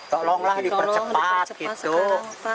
tolonglah dipercepat gitu